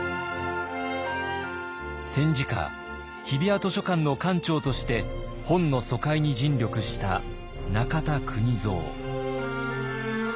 戦時下日比谷図書館の館長として本の疎開に尽力した中田邦造。